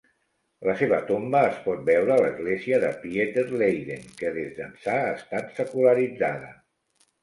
La seva tomba es pot veure a l'església de Pieter, Leiden, que des d'ençà ha estat secularitzada.